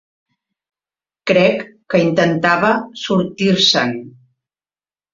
Crec que intentava sortir-se'n.